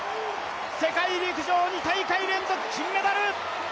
世界陸上２大会連続金メダル。